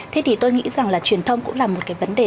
thế thì tôi nghĩ rằng là truyền thông cũng là một cái vấn đề